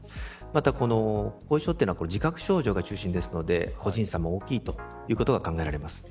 また後遺症というのは自覚症状が中心なので個人差も大きいということが考えられます。